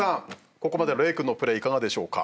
ここまでの玲君のプレーいかがでしょうか。